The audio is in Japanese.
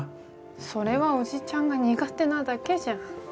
それは叔父ちゃんが苦手なだけじゃん。